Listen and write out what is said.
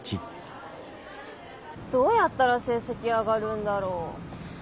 どうやったら成績上がるんだろ。